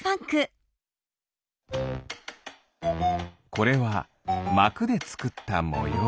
これはまくでつくったもよう。